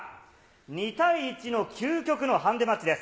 ２対１の究極のハンデマッチです。